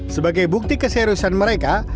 sebagai bukti keseriusan mereka